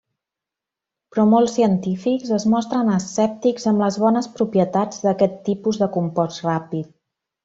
Però molts científics es mostren escèptics amb les bones propietats d'aquest tipus de compost ràpid.